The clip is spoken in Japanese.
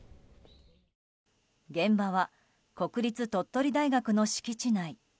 現場は国立鳥取大学の敷地内。